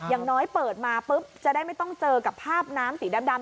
อย่างน้อยเปิดมาปุ๊บจะได้ไม่ต้องเจอกับภาพน้ำสีดำ